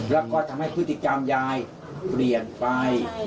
แล้วก็ทำให้พฤติกรรมยายเปลี่ยนไป